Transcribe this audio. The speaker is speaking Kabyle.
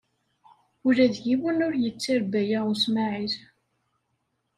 Ula d yiwen ur yettir Baya U Smaɛil.